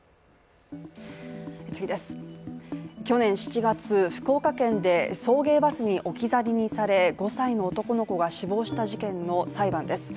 去年７月、福岡県で送迎バスに置き去りにされ５歳の男の子が死亡した事件の裁判です。